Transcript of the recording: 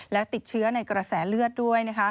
และติดเชื้อในกระแสเลือดด้วย